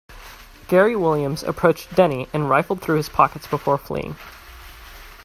Gary Williams approached Denny and rifled through his pockets before fleeing.